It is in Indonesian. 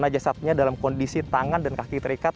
lima jasadnya dalam kondisi tangan dan kaki terikat